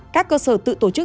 các cơ sở tự tổ chức